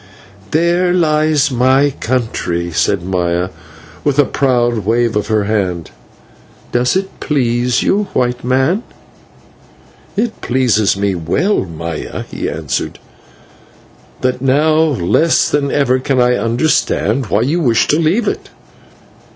"There lies my country," said Maya, with a proud wave of her hand; "does it please you, white man?" "It pleases me so well, Maya," he answered, "that now less than ever can I understand why you wish to leave it."